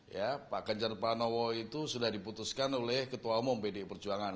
ya pak ganjar pranowo itu sudah diputuskan oleh ketua umum pdi perjuangan